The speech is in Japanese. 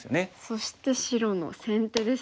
そして白の先手ですね。